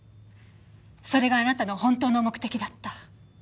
それがあなたの本当の目的だった。